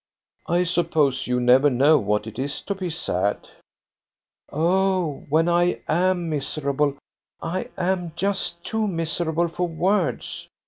"I suppose you never know what it is to be sad?" "Oh, when I am miserable, I am just too miserable for words.